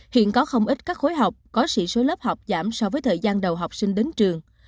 hiện có không ít các khối học có sĩ số lớp học giảm so với thời gian đầu học sinh đến trường